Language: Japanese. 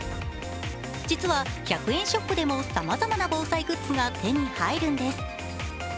実は１００円ショップでもさまざまな防災グッズが手に入るんです。